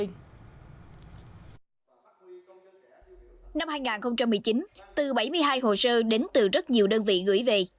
năm hai nghìn một mươi chín từ bảy mươi hai hồ sơ đến từ rất nhiều đơn vị gửi về